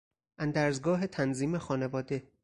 اندرزگاه تنظیم خانواده